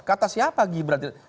kata siapa gibran tidak tegas